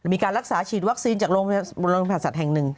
มีการรักษาฉีดวัคซีนจากโรงพยาบาลสัตว์แห่งหนึ่ง